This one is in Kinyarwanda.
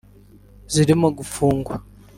zirimo gufungwa